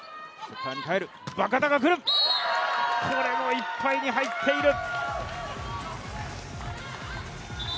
これもいっぱいに入っている。